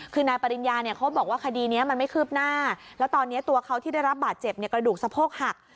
คือนายปริญญาเนี่ยเขาบอกว่าคดีนี้มันไม่คืบหน้าแล้วตอนนี้ตัวเขาที่ได้รับบาดเจ็บกระดูกสะโพกหัก